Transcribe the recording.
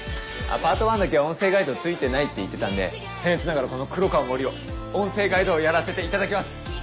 Ｐａｒｔ１だけ音声ガイド付いてないって言ってたんでせんえつながらこの黒川森生音声ガイドをやらせていただきます。